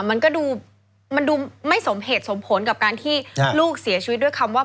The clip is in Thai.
มันก็ดูมันดูไม่สมเหตุสมผลกับการที่ลูกเสียชีวิตด้วยคำว่า